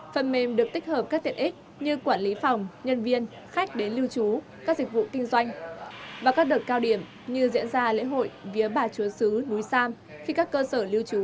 phần mềm được tích hợp các tiện ích như quản lý phòng nhân viên khách đến lưu trú các dịch vụ kinh doanh